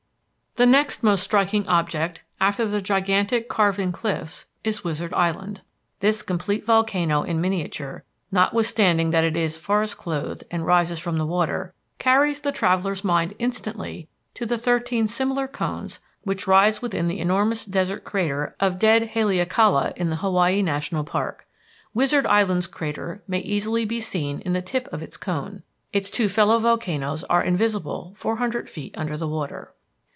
The next most striking object after the gigantic carven cliffs is Wizard Island. This complete volcano in miniature, notwithstanding that it is forest clothed and rises from water, carries the traveller's mind instantly to the thirteen similar cones which rise within the enormous desert crater of dead Haleakala, in the Hawaii National Park. Wizard Island's crater may easily be seen in the tip of its cone. Its two fellow volcanoes are invisible four hundred feet under water.